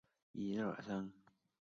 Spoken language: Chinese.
乐谱手稿现存于波兰克拉科夫内。